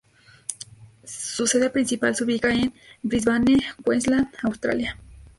Su sede principal se ubica en Brisbane Queensland, Australia.